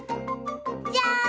じゃん！